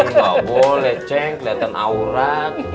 nggak boleh ceng kelihatan aurat